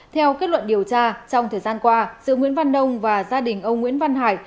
theo kết luận điều tra trong thời gian qua giữa nguyễn văn đông và gia đình ông nguyễn văn hải